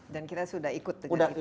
dan kita sudah ikut dengan itagi